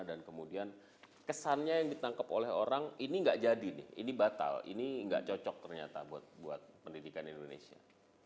dan kemudian kesannya yang ditangkap oleh orang ini enggak jadi ini batal ini enggak cocok ternyata buat pendidikan indonesia